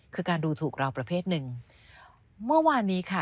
คือการดูถูกเราประเภทหนึ่งเมื่อวานนี้ค่ะ